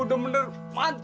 aduh elah seksi banget